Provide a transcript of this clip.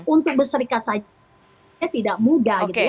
untuk berserikat saja tidak mudah